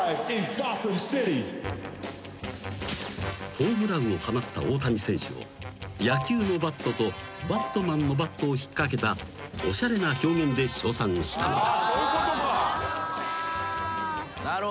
［ホームランを放った大谷選手を野球のバットとバットマンのバットを引っ掛けたおしゃれな表現で称賛したのだ］